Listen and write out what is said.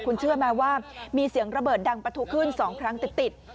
คุณเชื่อไหมว่ามีเสียงระเบิดดังประทุขึ้น๒ครั้งติด